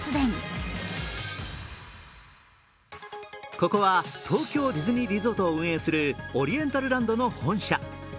ここは東京ディズニーリゾートを運営するオリエンタルランドの本社。